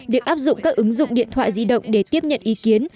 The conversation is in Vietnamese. việc áp dụng các ứng dụng điện thoại di động để tiếp nhận ý kiến